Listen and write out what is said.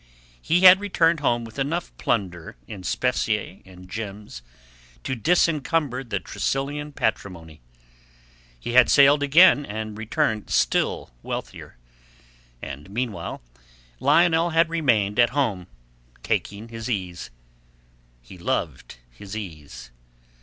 He had returned with enough plunder in specie and gems to disencumber the Tressilian patrimony. He had sailed again and returned still wealthier. And meanwhile, Lionel had remained at home taking his ease. He loved his ease.